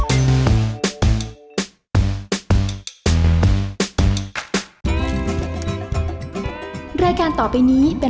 โหลดแล้วคนเรียฟกัน